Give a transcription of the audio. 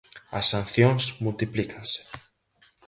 As sancións multiplícanse.